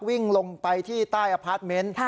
วิ่งลงไปที่ใต้อพาร์ทเมนต์